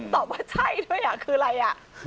ตอบว่าใช่ด้วยคืออะไรอ่ะ